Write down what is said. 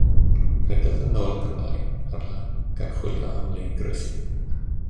Rhedodd yn ôl ac ymlaen ar y lan gan chwilio am le i groesi.